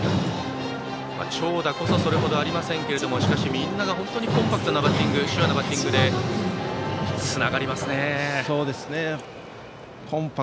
長打こそ、それほどありませんがみんなコンパクトなバッティングシュアなバッティングでつながりますね。